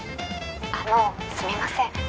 あのすみません。